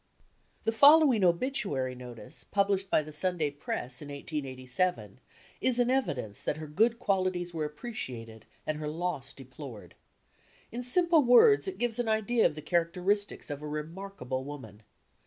The following obituary notice, published by the Sunday Press in 1887, is an evi dence that her good qualities were appre ciated and her loss deplored. In simple words it gives an idea of the characteristics of a remarkable woman.